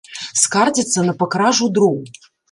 Скардзяцца на пакражу дроў.